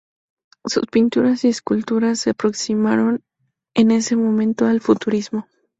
Sus pinturas y esculturas se aproximaron en este momento al futurismo.